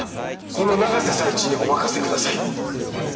この永瀬財地にお任せください。